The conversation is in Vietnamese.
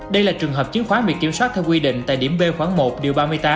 đây là trường hợp chứng khoán bị kiểm soát theo quy định tại điểm b khoảng một điều ba mươi tám